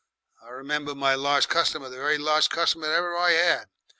I remember my lars' customer, the very lars' customer that ever I 'ad.